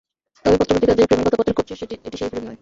তবে, পত্র-পত্রিকা যেই প্রেমের কথা প্রচার করছে, এটি সেই প্রেম নয়।